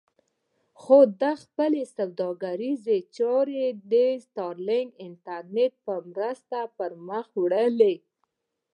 خو ده خپلې سوداګریزې چارې د سټارلېنک انټرنېټ په مرسته پر مخ وړلې.